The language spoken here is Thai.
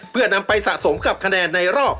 เพื่อนำไปสะสมกับคะแนนในรอบ